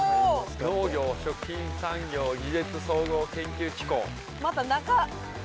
「農業・食品産業技術総合研究機構」。